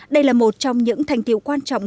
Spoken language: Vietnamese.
đây là một trong những thành tiệu quan trọng